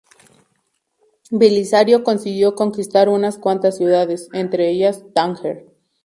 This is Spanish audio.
Belisario consiguió conquistar unas cuantas ciudades, entre ellas Tánger.